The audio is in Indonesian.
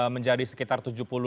menjadi sekitar tujuh puluh